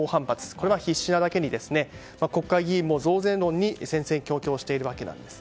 これは必至なだけに国会議員も増税論に戦々恐々しているわけです。